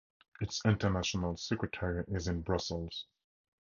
Its International Secretariat is in Brussels.